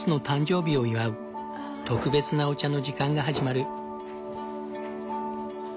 特別なお茶の時間が始まる。